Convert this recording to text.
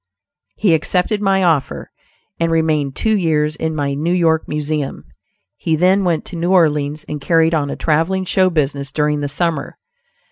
He accepted my offer and remained two years in my New York Museum. He then went to New Orleans and carried on a traveling show business during the summer.